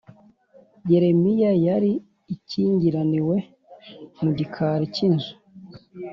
Yeremiya yari akingiraniwe mu gikari cy inzu